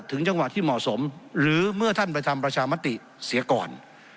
จังหวะที่เหมาะสมหรือเมื่อท่านไปทำประชามติเสียก่อน